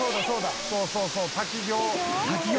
そうそうそう滝行。